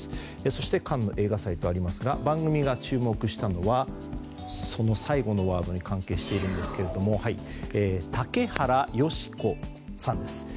そしてカンヌ映画祭とありますが番組が注目したのはその最後のワードに関係しているんですけれども竹原芳子さんです。